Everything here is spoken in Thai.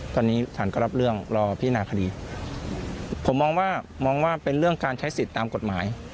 ตอนนี้สารก็รับเรื่องรอพินาคดีผมมองว่ามองว่าเป็นเรื่องการใช้สิทธิ์ตามกฎหมาย